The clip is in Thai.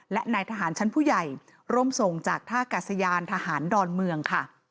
และนายทหารชั้นผู้ใหญ่ร่วมส่งจากท่ากาศยานทหารดอนเมืองค่ะ